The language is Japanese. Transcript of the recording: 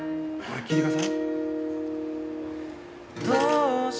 聴いてください。